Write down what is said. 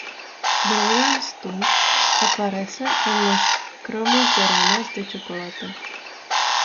Grogan Stump aparece en los cromos de ranas de chocolate.